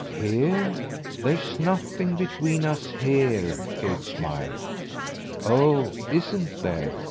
"Here? There's nothing between us here," Kate smiled. "Oh ISN'T there?"